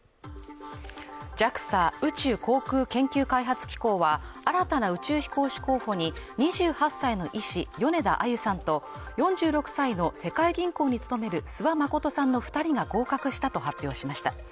ＪＡＸＡ＝宇宙航空研究開発機構は、新たな宇宙飛行士候補に２８歳の医師、米田あゆさんと４６歳の世界銀行に勤める諏訪理さんの２人が合格したと発表しました。